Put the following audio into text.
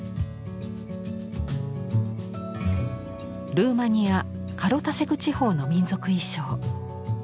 ルーマニアカロタセグ地方の民族衣装。